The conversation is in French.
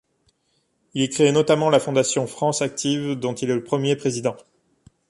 Il y crée notamment la Fondation France Active dont il est le premier président.